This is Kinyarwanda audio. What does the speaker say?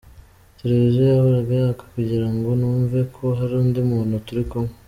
Televiziyo yahoraga yaka kugira ngo numve ko hari undi muntu turi kumwe.